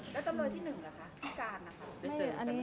แล้วตำรวจที่หนึ่งล่ะคะพิการ